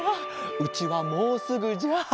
うちはもうすぐじゃ。